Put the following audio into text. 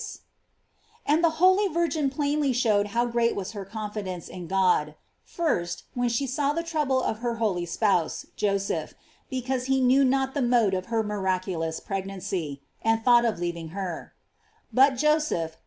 621 And the holy Virgin plainly showed how great was her confidence in God: first, when she saw the trouble of her holy spouse, Joseph, because he knew not the mode of her miraculous pregnancy, and thought of leaving her : But Joseph